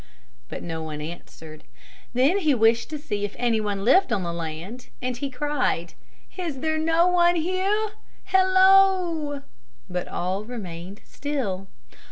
But no one answered. Then he wished to see if anyone lived on the land, and he cried, "Is there no one here? Hello!" but all remained still.